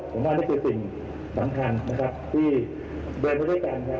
ผมว่านี่คือสิ่งสำคัญนะครับที่เดินไปด้วยกันครับ